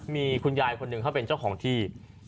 มีคุณยายคนหนึ่งเขาเป็นเจ้าของที่